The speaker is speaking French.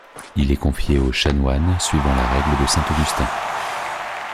Il est confié aux chanoines suivant la règle de saint Augustin.